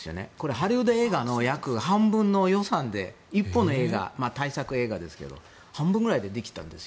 ハリウッド映画の約半分の予算で１本の映画、大作映画ですが半分ぐらいでできたんです。